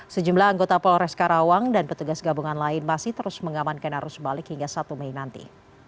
sejumlah anggota polres karawang dan petugas gabungan lain masih terus mengamankan arus balik hingga satu mei nanti